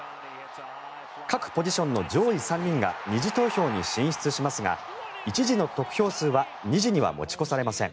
各ポジションの上位３人が２次投票に進出しますが１次の得票数は２次には持ち越されません。